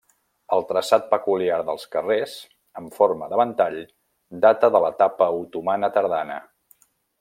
El traçat peculiar dels carrers, en forma de ventall, data de l'etapa otomana tardana.